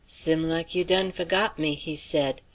"Sim like you done fo'got me," he said.